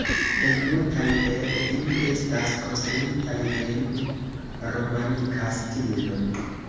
Plej multaj el ili estas konstruitaj en romanika stilo.